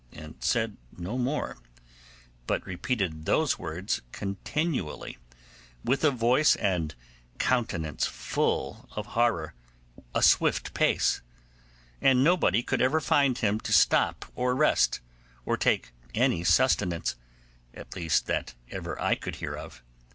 and said no more, but repeated those words continually, with a voice and countenance full of horror, a swift pace; and nobody could ever find him to stop or rest, or take any sustenance, at least that ever I could hear of.